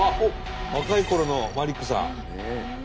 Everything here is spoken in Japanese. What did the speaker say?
若いころのマリックさん。